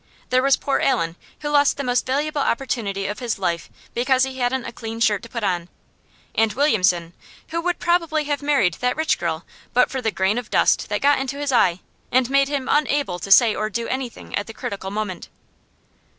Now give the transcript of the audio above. There was poor Allen, who lost the most valuable opportunity of his life because he hadn't a clean shirt to put on; and Williamson, who would probably have married that rich girl but for the grain of dust that got into his eye, and made him unable to say or do anything at the critical moment.